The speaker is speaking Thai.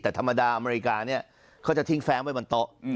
แต่ธรรมดาอเมริกาเนี่ยเขาจะทิ้งแฟ้งไว้บนโต๊ะ